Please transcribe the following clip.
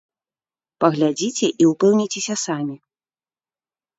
Паглядзіце і ўпэўніцеся самі.